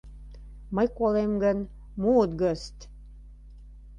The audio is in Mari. — Мый колем гын, муыт гыст...